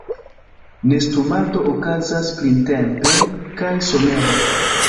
Nestumado okazas printempe kaj somere.